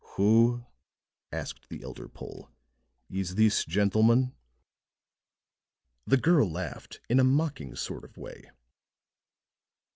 "Who," asked the elder Pole, "is this gentleman?" The girl laughed in a mocking sort of way.